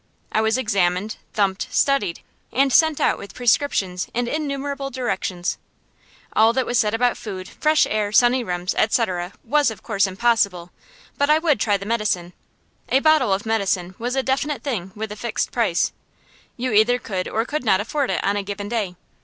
I was examined, thumped, studied, and sent out with prescriptions and innumerable directions. All that was said about food, fresh air, sunny rooms, etc., was, of course, impossible; but I would try the medicine. A bottle of medicine was a definite thing with a fixed price. You either could or could not afford it, on a given day.